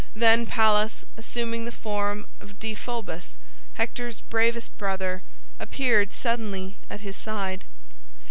Then Pallas, assuming the form of Deiphobus, Hector's bravest brother, appeared suddenly at his side.